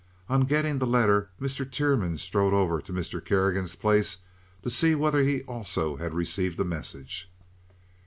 On getting the letter Mr. Tiernan strolled over to Mr. Kerrigan's place to see whether he also had received a message.